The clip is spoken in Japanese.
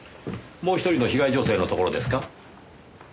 もう１人の被害女性のところですか？